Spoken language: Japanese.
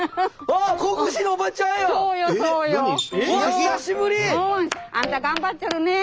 あんた頑張っちょるね。